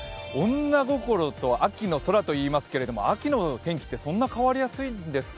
女心と秋の空といいますけれども、秋の天気ってそんなに変わりやすいんですか？